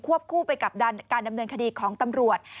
คู่ไปกับการดำเนินคดีของตำรวจ